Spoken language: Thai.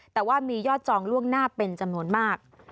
แต่ว่ามียอดจองล่วงหน้าเป็นจำนวนมาก